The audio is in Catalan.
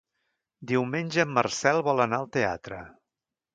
Diumenge en Marcel vol anar al teatre.